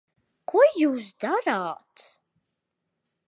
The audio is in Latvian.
Ko jūs darāt?